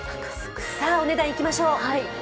さあ、お値段いきましょう。